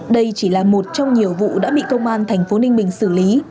đây chỉ là một trong nhiều vụ đã bị công an thành phố ninh bình xử lý